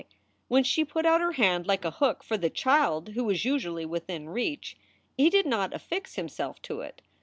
When she put out her hand, like a hook, for the child, who was usually within reach, he did not affix himself to it.